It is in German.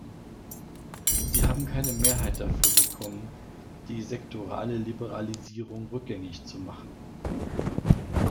Sie haben keine Mehrheit dafür bekommen, die sektorale Liberalisierung rückgängig zu machen.